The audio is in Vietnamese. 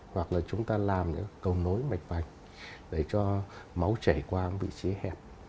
hoặc là chúng ta làm những cầu nối mạch vành để cho máu chảy qua vị trí hẹp